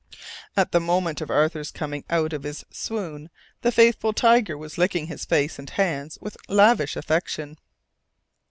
At the moment of Arthur's coming out of his swoon the faithful Tiger was licking his face and hands with lavish affection.